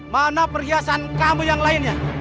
mana perhiasan kamu yang lainnya